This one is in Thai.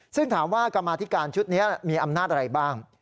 ซึ่งถามว่ากรรมาธิการชุดนี้มีอำนาจอะไรบ้าง